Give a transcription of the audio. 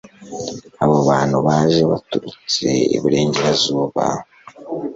Abo bantu baje baturutse iburengerazuba